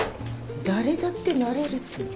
誰だってなれるっつうの。